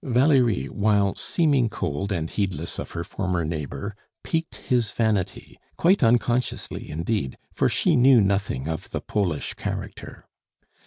Valerie, while seeming cold and heedless of her former neighbor, piqued his vanity, quite unconsciously indeed, for she knew nothing of the Polish character.